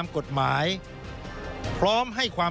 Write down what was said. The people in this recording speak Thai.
ส่วนต่างกระโบนการ